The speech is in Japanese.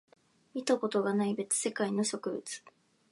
見たことがない別世界の植物